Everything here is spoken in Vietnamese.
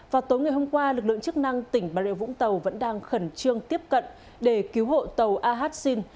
vào tối ngày hôm qua lực lượng chức năng tỉnh bà rịa vũng tàu vẫn đang khẩn trương tiếp cận để cứu hộ tàu ahxin